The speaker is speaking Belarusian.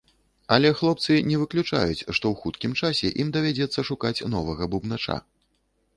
Але хлопцы не выключаюць, што ў хуткім часе ім давядзецца шукаць новага бубнача.